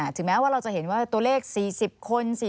ถึงแม้ว่าเราจะเห็นว่าตัวเลข๔๐คน